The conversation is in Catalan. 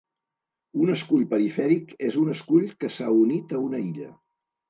Un escull perifèric és un escull que s"ha unit a una illa.